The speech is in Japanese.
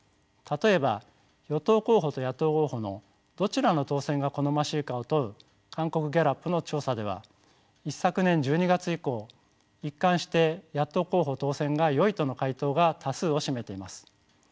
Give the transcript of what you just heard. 例えば与党候補と野党候補のどちらの当選が好ましいかを問う韓国ギャラップの調査では一昨年１２月以降一貫して野党候補当選がよいとの回答が多数を占めています。